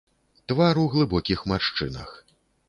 Твар у глыбокіх маршчынах.